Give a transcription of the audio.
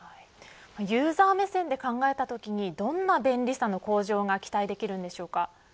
ユーザー目線で考えたときにどんな便利さの向上が期待できるんでしょうか。